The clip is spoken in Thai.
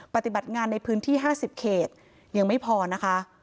ปฏิบัติงานในพื้นที่๕๐เขตยังไม่พอนะคะ